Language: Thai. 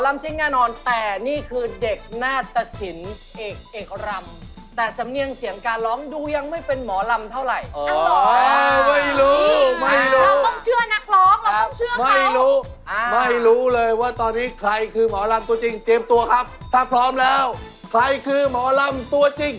อันนี้เขาพูดจริงเหรอหมอแคนเขาเรียกด้าว